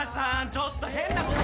ちょっと変なこと。